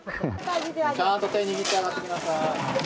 ちゃんと手で握って上がってください。